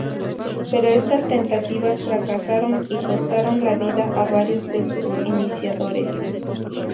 Pero estas tentativas fracasaron y costaron la vida a varios de sus iniciadores.